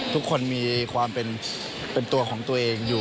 ทุกคนมีความเป็นตัวของตัวเองอยู่